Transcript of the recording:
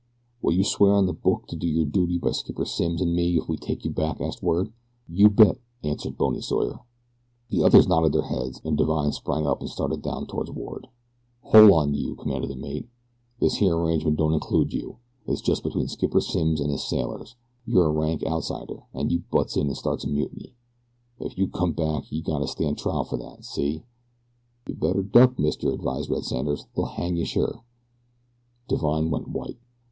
"Will you swear on the Book to do your duty by Skipper Simms an' me if we take you back?" asked Ward. "You bet," answered Bony Sawyer. The others nodded their heads, and Divine sprang up and started down toward Ward. "Hol' on you!" commanded the mate. "This here arrangement don' include you it's jes' between Skipper Simms an' his sailors. You're a rank outsider, an' you butts in an' starts a mutiny. Ef you come back you gotta stand trial fer that see?" "You better duck, mister," advised Red Sanders; "they'll hang you sure." Divine went white.